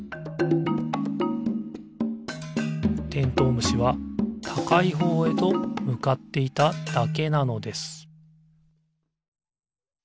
むしはたかいほうへとむかっていただけなのです